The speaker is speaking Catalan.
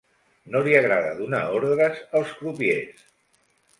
No li agrada donar ordres als crupiers.